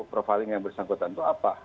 profiling yang bersangkutan itu apa